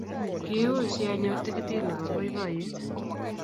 Kiui sianyor tikitit nebo boiboiyet